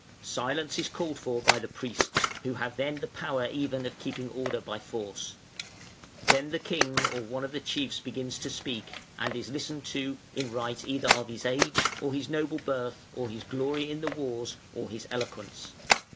Silence is called for by the priests, who have then the power even of keeping order by force. Then the king or one of the chiefs begins to speak, and is listened to in right either of his age, or his noble birth, or his glory in the wars, or his eloquence.